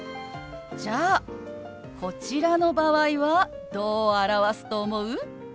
じゃあこちらの場合はどう表すと思う？